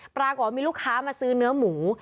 ปรากฏว่ามีลูกค้ามาซื้อเนื้อหมู